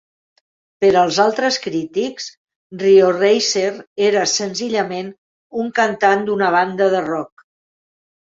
Per als altres crítics, Rio Reiser era senzillament un cantant d'una banda de rock.